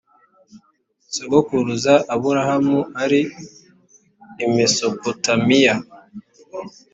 sogokuruza aburahamu ari i mesopotamiya